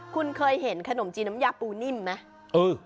คุณเคยเห็นขนมจีนน้ำยาปูนิ่มไหม